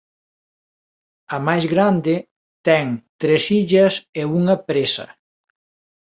A máis grande ten tres illas e unha presa.